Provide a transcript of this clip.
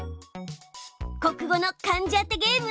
国語の漢字当てゲーム。